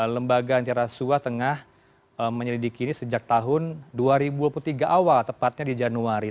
lembaga antirasuah tengah menyelidiki ini sejak tahun dua ribu dua puluh tiga awal tepatnya di januari